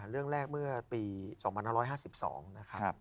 เรื่องแรกเมื่อปี๒๕๕๒นะครับ